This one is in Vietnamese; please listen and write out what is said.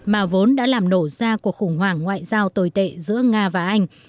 mà vốn đã làm nổ ra cuộc khủng hoảng ngoại giao tồi tệ giữa nga và anh